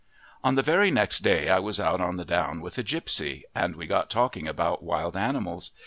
On the very next day I was out on the down with a gipsy, and we got talking about wild animals.